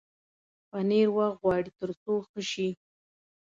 پنېر وخت غواړي تر څو ښه شي.